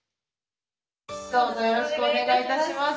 どうぞよろしくお願い致します。